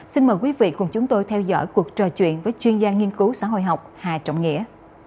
xin mời quý vị cùng chúng tôi theo dõi cuộc trò chuyện với chuyên gia nghiên cứu xã hội học hà trọng nghĩa